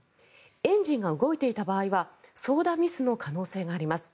エンジンが動いていた場合は操舵ミスの可能性があります。